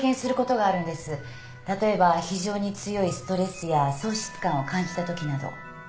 例えば非常に強いストレスや喪失感を感じたときなど。